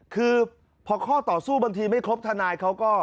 คือพอข้อต่อสู้บางทีไม่ครบทนายเขาก็